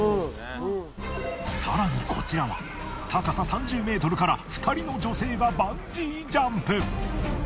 更にこちらは高さ３０ｍから２人の女性がバンジージャンプ！